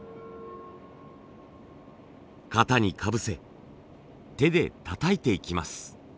型にかぶせ手でたたいていきます。